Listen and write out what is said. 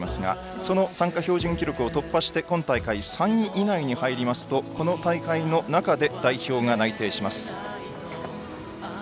その参加標準記録を突破して今大会３位以内に入りますとこの大会の中で代表が内定します。